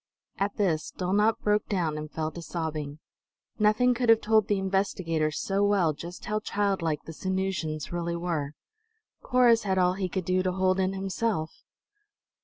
At this Dulnop broke down, and fell to sobbing. Nothing could have told the investigators so well just how childlike the Sanusians really were. Corrus had all he could do to hold in himself.